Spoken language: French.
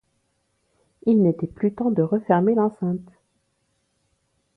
Il n’était plus temps de refermer l’enceinte!